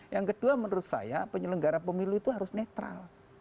yang kedua menurut saya penyelenggara pemilu itu harus netral